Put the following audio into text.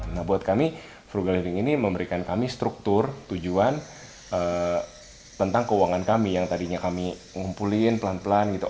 nah buat kami frugal living ini memberikan kami struktur tujuan tentang keuangan kami yang tadinya kami ngumpulin pelan pelan gitu